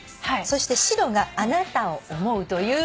「そして白があなたを思う」という。